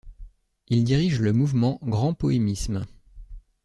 Il dirige le mouvement Grand poémisme.